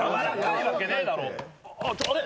あれ？